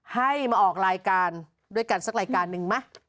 ให้มาออกรายการด้วยกันสักรายการหนึ่งไหม